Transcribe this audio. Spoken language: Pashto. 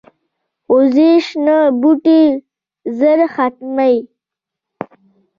وزې شنه بوټي ژر ختموي